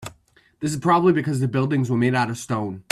This is probably because the buildings were made out of stone.